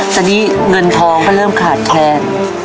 แต่นี่เงินทองก็เริ่มขาดแทน